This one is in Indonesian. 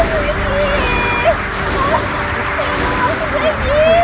tidak akan terjadi lagi